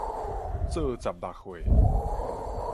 作十六歲